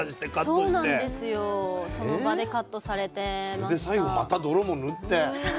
それで最後また泥も塗ってね。